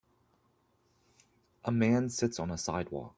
A man sits on a sidewalk.